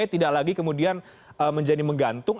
tidak lagi kemudian menjadi menggantung